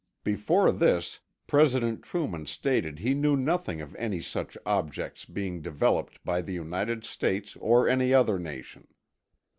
Before this, President Truman stated he knew nothing of any such objects being developed by the United States or any other nation.